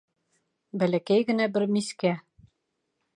Бәләкәй генә бер мискә